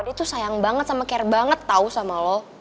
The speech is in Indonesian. itu sayang banget sama care banget tau sama lo